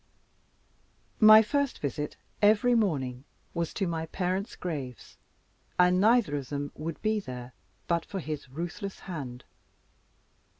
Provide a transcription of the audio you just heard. My first visit, every morning, was to my parents' graves, and neither of them would be there but for his ruthless hand.